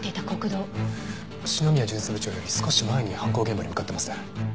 篠宮巡査部長より少し前に犯行現場に向かってますね。